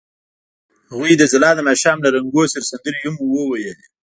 هغوی د ځلانده ماښام له رنګونو سره سندرې هم ویلې.